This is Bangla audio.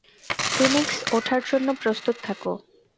ফিনিক্স, ওঠার জন্য প্রস্তুত থাকো।